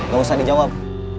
gak usah dijawab